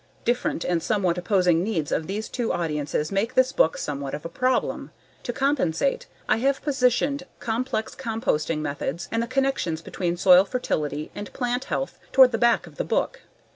Different and somewhat opposing needs of these two audiences make this book somewhat of a problem. To compensate I have positioned complex composting methods and the connections between soil fertility and plant health toward the back of the book.